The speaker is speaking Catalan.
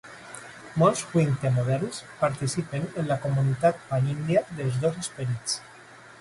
Molts "winkte" moderns participen en la comunitat panindia dels dos esperits.